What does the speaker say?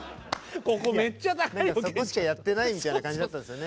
そこしかやってないみたいな感じだったんですよね。